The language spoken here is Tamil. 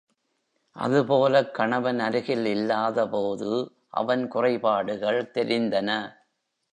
அதுபோலக் கணவன் அருகில் இல்லாதபோது அவன் குறைபாடுகள் தெரிந்தன.